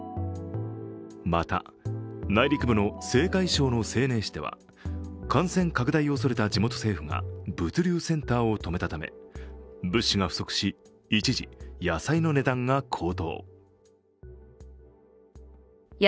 また、内陸部の青海省の西寧市では感染拡大を恐れた地元政府が物流センターを止めたため物資が不足し一時、野菜の値段が高騰。